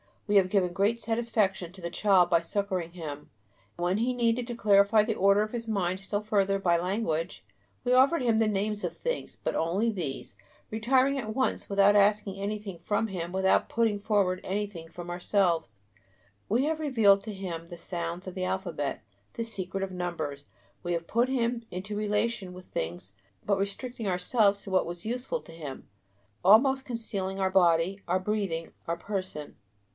We have given great satisfaction to the child by succoring him; when he needed to clarify the order of his mind still further by language, we offered him the names of things, but only these, retiring at once without asking anything from him, without putting forward anything from ourselves. We have revealed to him the sounds of the alphabet, the secret of numbers, we have put him into relation with things but restricting ourselves to what was useful to him, almost concealing our body, our breathing, our person.